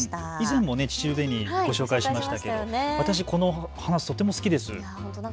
以前も秩父紅、ご紹介しましたけど、私この花、とても好きです。